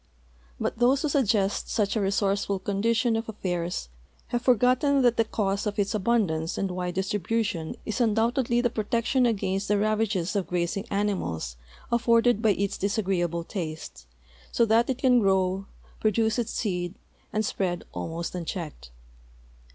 But those who suggest such a resourceful condition of afiairs have forgot ten that the cause of its al^undance and wide distribution is undoubtedly the protection against the ravages of grazing ani mals afforded by its disagreeal)le taste, so that it can grow, pro duce its seed, ami spread almost unchecked.